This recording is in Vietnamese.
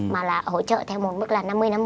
mà là hỗ trợ theo một mức là năm mươi năm mươi